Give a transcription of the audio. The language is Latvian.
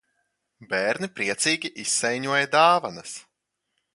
Bērni priecīgi izsaiņoja dāvanas.